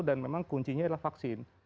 dan memang kuncinya adalah vaksin